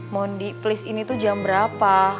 mondi please ini tuh jam berapa